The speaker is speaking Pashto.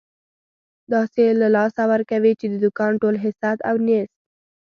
داسې له لاسه ورکوې، چې د دوکان ټول هست او نیست.